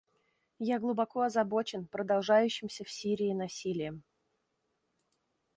Я глубоко озабочен продолжающимся в Сирии насилием.